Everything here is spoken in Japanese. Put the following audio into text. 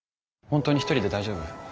本当に一人で大丈夫？